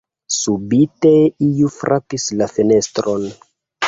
Subite iu frapis la fenestron.